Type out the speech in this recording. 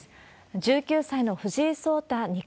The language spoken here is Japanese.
１９歳の藤井颯太二冠。